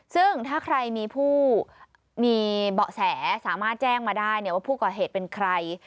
ซึ่งถ้าใครมีผู้มีเบาะแสสามารถแจ้งมาได้ว่าผู้ก่อเหตุเป็นใคร